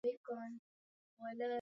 Waelekezi wamefika